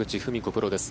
プロです。